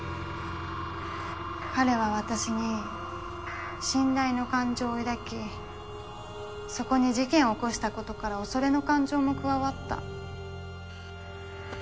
彼は私に「信頼」の感情を抱きそこに事件を起こしたことから「恐れ」の感情も加わった。